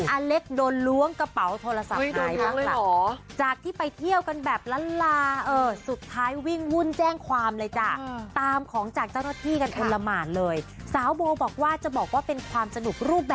อาเล็กโดนล้วงกระเป๋าโทรศัพท์ไหนบ้างล่ะ